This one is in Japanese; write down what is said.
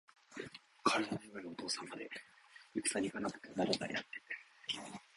体の弱いお父さんまで、いくさに行かなければならないなんて。